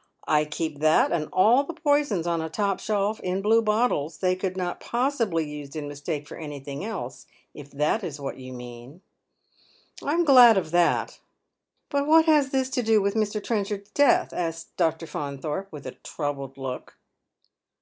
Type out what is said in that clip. " I keep that and all the poisons on a top shelf, in blue bottles. They could not possibly be used in mistake for anything else, if that is what you mean." " I am glad of that." " But what has this to do with Mr. Trenchard's death ?" aska Dr. Faunthorpe, with a troubled look.